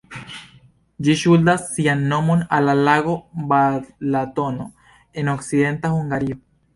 Ĝi ŝuldas sian nomon al la lago Balatono, en okcidenta Hungario.